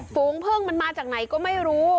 ฝูงพึ่งมันมาจากไหนก็ไม่รู้